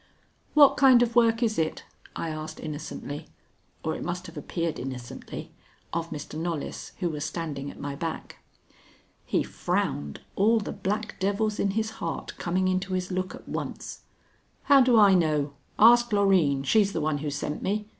"What kind of work is it?" I asked innocently, or it must have appeared innocently, of Mr. Knollys, who was standing at my back. He frowned, all the black devils in his heart coming into his look at once. "How do I know! Ask Loreen; she's the one who sent me.